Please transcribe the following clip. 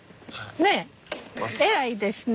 ねえ偉いですね！